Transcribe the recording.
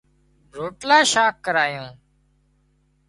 روٽلا شاک کارايون